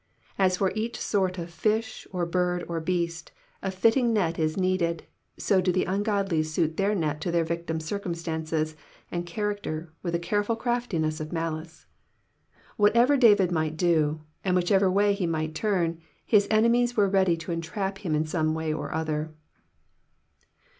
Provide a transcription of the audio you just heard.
As for each sort of fifh, or bird, or beast, a fitting net is needed, so do the ungodly suit their net to their victim's circumstances and character with a careful crafti ness of malice. Whatever David might do, and whichever way he might turn, his enemies were ready to entrap him in some way or other.